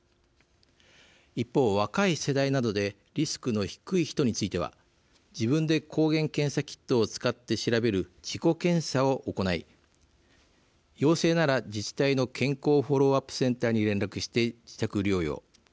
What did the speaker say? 一方、若い世代などでリスクの低い人については自分で抗原検査キットを使って調べる自己検査を行い陽性なら自治体の健康フォローアップセンターに連絡して自宅療養。